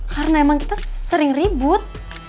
karena emang kita sering ribut